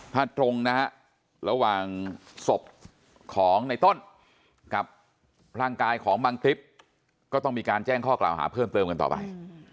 ถ้าตรงนะฮะระหว่างศพของในต้นกับร่างกายของบังติ๊บก็ต้องมีการแจ้งข้อกล่าวหาเพิ่มเติมกันต่อไป